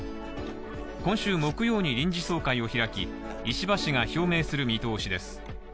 今週木曜に臨時総会を開き、石破氏が表明する見通しです。